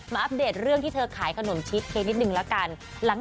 อัปเดตเรื่องที่เธอขายขนมชีสเคนิดนึงละกัน